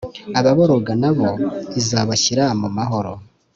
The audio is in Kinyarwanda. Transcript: Ababoroga nabo izabashyira mumahoro